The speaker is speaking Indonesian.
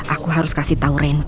aku harus kasih tau randy